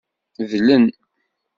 Dlen.